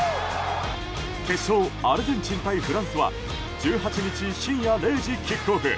決勝、アルゼンチン対フランスは１８日深夜０時キックオフ。